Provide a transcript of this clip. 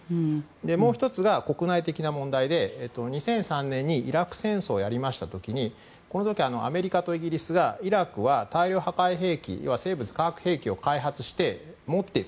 もう１つが国内的な問題で２００３年にイラク戦争をやった時にこの時、アメリカとイギリスはイラクは大量破壊兵器要は生物・化学兵器を開発して持っている。